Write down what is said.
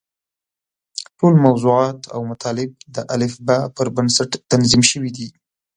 ټول موضوعات او مطالب د الفباء پر بنسټ تنظیم شوي دي.